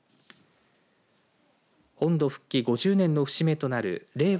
本土復帰５０年の節目となる令和